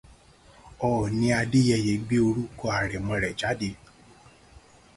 Ọọ̀ni Adéyeyè gbé orúkọ àrẹ̀mọ rẹ̀ jáde.